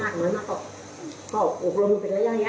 ความดังความทุกคนของเด็กอาณาทุกคนเพิ่มขึ้น